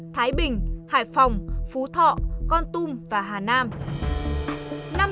thái bình hải phòng phú thọ con tum và hà nam